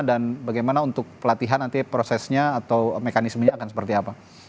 dan bagaimana untuk pelatihan nanti prosesnya atau mekanismenya akan seperti apa